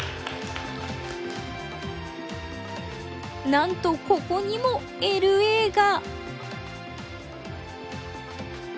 なんとここにも「ＬＡ」が。